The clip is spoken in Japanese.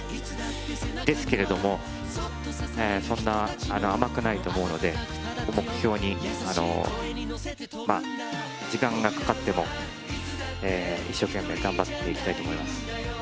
ですけれども、そんな甘くないと思うので、目標に、時間がかかっても一生懸命頑張っていきたいと思います。